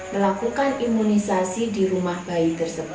melakukan imunisasi di rumah bayi tersebut